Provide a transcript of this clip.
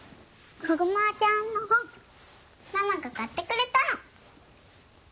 こぐまちゃんの本ママが買ってくれたの。